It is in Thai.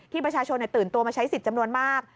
ประชาชนตื่นตัวมาใช้สิทธิ์จำนวนมาก